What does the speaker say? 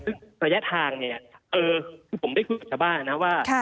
ซึ่งระยะทางเนี่ยคือผมได้คุยกับชาวบ้านนะว่า